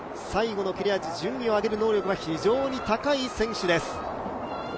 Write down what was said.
最後の切れ味、順位を上げる能力は非常に高い選手です。